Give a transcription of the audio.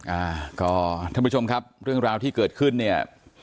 อ่าก็ท่านผู้ชมครับเรื่องราวที่เกิดขึ้นเนี่ย